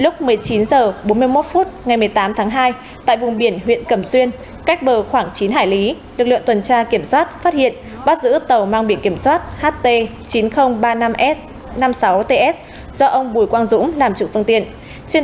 cụ thể vào lúc một mươi chín h ba mươi năm phút ngày một mươi tám tháng hai tại vùng biển nghi xuân cách bờ khoảng chín hải lý lực lượng tuần tra đã phát hiện bắt giữ hai tàu cá mang biển kiểm soát ht chín nghìn ba mươi năm s năm mươi sáu ts do nguyễn văn thanh làm chủ phương tiện